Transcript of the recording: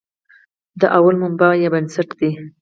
دا لومړی مبنا یا بنسټ دی.